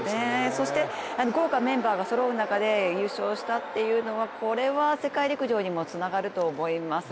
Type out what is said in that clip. そして、豪華メンバーがそろう中で優勝したっていうのはこれは世界陸上にもつながると思います。